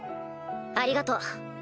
ありがとう。